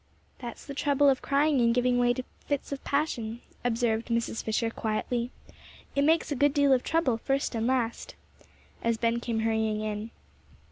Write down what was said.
"That's the trouble of crying and giving way to fits of passion," observed Mrs. Fisher, quietly; "it makes a good deal of trouble, first and last," as Ben came hurrying in.